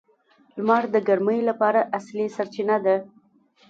• لمر د ګرمۍ لپاره اصلي سرچینه ده.